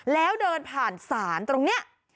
แล้วเดินผ่านศาลตรงนี้